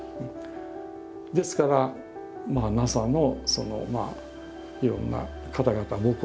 ですからＮＡＳＡのいろんな方々